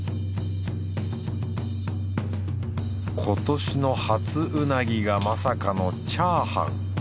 今年の初ウナギがまさかのチャーハン。